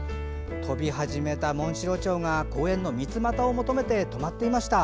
飛び始めたモンシロチョウが公園のミツマタを求めてとまっていました。